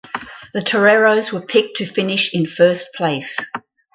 The Toreros were picked to finish in first place.